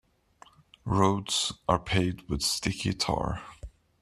Roads are paved with sticky tar.